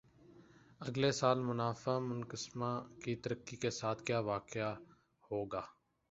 اگلے سال منافع منقسمہ کی ترقی کے ساتھ کِیا واقع ہو گا